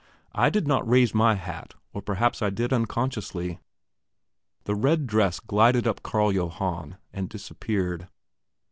I did not raise my hat, or perhaps I did unconsciously. The red dress glided up Carl Johann, and disappeared.